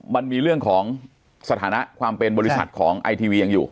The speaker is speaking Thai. มันมีเรื่องของสถานะความเป็นบริษัทของไอทีวียังอยู่